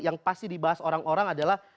yang pasti dibahas orang orang adalah